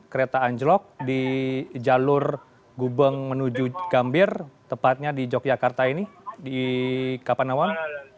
kereta anjlok di jalur gubeng menuju gambir tepatnya di yogyakarta ini di kapanawal